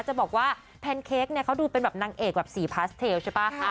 จะบอกว่าแพนเค้กเนี่ยเขาดูเป็นแบบนางเอกแบบสีพาสเทลใช่ป่ะคะ